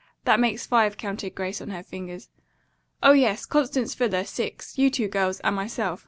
That makes five," counted Grace on her fingers. "Oh, yes, Constance Fuller, six, you two girls, and myself.